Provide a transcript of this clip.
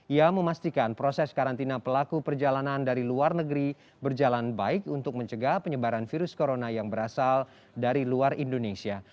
ia memastikan proses karantina pelaku perjalanan dari luar negeri berjalan baik untuk mencegah penyebaran virus corona yang berasal dari luar indonesia